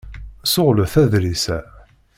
Ssuɣlet aḍṛis-a.